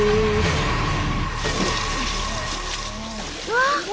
うわ！